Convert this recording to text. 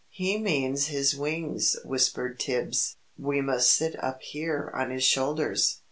"He means his wings," whispered Tibbs; "we must sit up here on his shoulders."